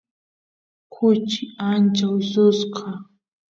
kuchi ancha ususqa